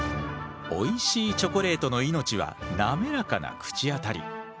おいしいチョコレートの命は滑らかな口当たり。